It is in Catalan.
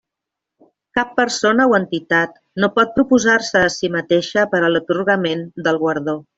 Cap persona o entitat no pot proposar-se a si mateixa per a l'atorgament del guardó.